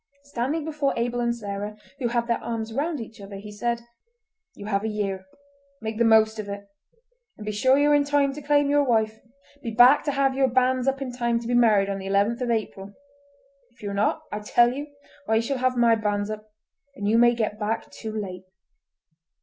Standing before Abel and Sarah, who had their arms round each other, he said: "You have a year. Make the most of it! And be sure you're in time to claim your wife! Be back to have your banns up in time to be married on the 11th April. If you're not, I tell you I shall have my banns up, and you may get back too late."